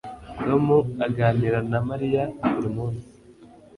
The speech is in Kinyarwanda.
Tom aganira na Mariya buri munsi